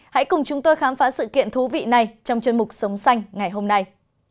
hãy cùng chúng tôi khám phá sự kiện thú vị này trong chương trình sống xanh ngày hôm nay